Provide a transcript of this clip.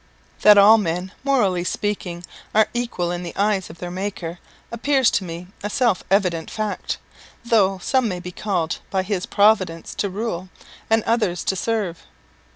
That all men, morally speaking, are equal in the eyes of their Maker, appears to me a self evident fact, though some may be called by His providence to rule, and others to serve.